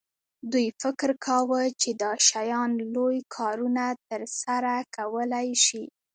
دوی فکر کاوه چې دا شیان لوی کارونه ترسره کولی شي